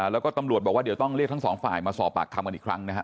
แล้วก็ตำรวจบอกว่าเดี๋ยวต้องเรียกทั้งสองฝ่ายมาสอบปากคำกันอีกครั้งนะฮะ